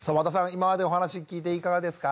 今までお話聞いていかがですか？